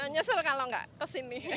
nyesel kalau enggak ke sini